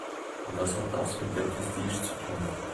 Was hat das mit der Prestige zu tun?